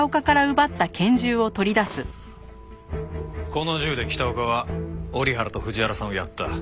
この銃で北岡は折原と藤原さんをやった。